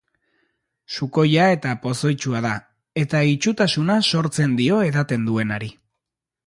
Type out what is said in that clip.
Sukoia eta pozoitsua da, eta itsutasuna sortzen dio edaten duenari.